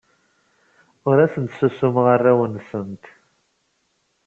Ur asent-ssusumeɣ arraw-nsent.